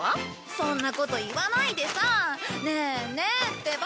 そんなこと言わないでさねえねえってば！